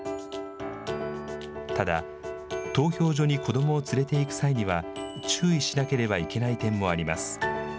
ただ投票所に子どもを連れて行く際には注意しなければいけない点もあります。